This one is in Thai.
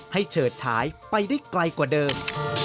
เฉิดฉายไปได้ไกลกว่าเดิม